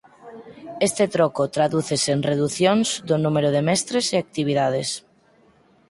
Este troco tradúcese en reducións do número de mestres e actividades.